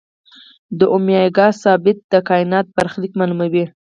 د اومېګا ثابت د کائنات برخلیک معلوموي.